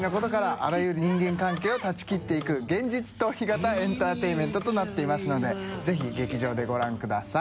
あらゆる人間関係を断ち切っていく充惰魴エンターテインメントとなっていますので爾匏狆譴ご覧ください。